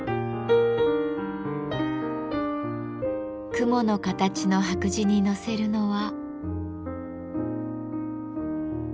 雲の形の白磁に載せるのは。